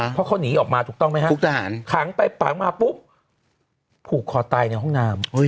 เพราะเขาหนีออกมาถูกต้องไหมฮะขังไปขังมาปุ๊บผูกคอตายในห้องน้ำ